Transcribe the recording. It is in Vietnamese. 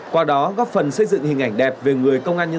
qua đó góp phần xây dựng hình ảnh đẹp về người công an tỉnh bắc giang